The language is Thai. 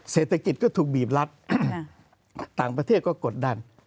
เศรษฐกิจก็ถูกบีบรัฐต่างประเทศก็กดดัน